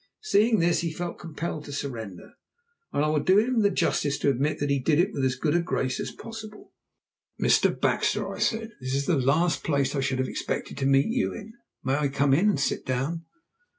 Seeing this he felt compelled to surrender, and I will do him the justice to admit that he did it with as good a grace as possible. "Mr. Baxter," I said, "this is the last place I should have expected to meet you in. May I come in and sit down?"